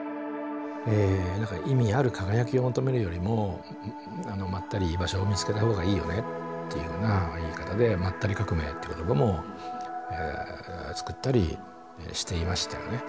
だから意味ある輝きを求めるよりもまったり居場所を見つけたほうがいいよねっていうような言い方で「まったり革命」っていう言葉も作ったりしていましたよね。